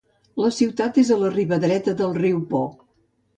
La ciutat és a la riba dreta del riu Po.